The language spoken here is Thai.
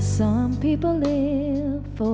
สวัสดีค่ะ